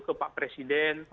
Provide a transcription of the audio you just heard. ke pak presiden